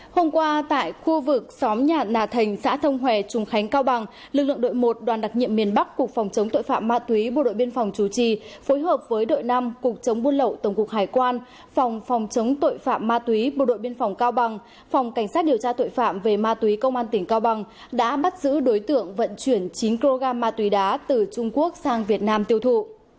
hôm qua tại khu vực xóm nhà nà thành xã thông hòe trung khánh cao bằng lực lượng đội một đoàn đặc nhiệm miền bắc cục phòng chống tội phạm ma túy bộ đội biên phòng chủ trì phối hợp với đội năm cục chống buôn lậu tổng cục hải quan phòng phòng chống tội phạm ma túy bộ đội biên phòng cao bằng phòng cảnh sát điều tra tội phạm về ma túy công an tỉnh cao bằng đã bắt giữ đối tượng vận chuyển chín kg ma túy đá từ trung quốc sang việt nam tiêu thụ